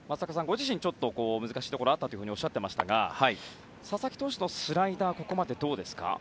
ご自身難しいところがあったとおっしゃっていましたが佐々木投手のスライダーはここまでどうですか？